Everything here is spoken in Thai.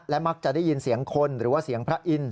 มักจะได้ยินเสียงคนหรือว่าเสียงพระอินทร์